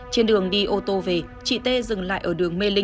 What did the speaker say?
trên đường đi ô tô về chị tê dừng lại ở đường mê linh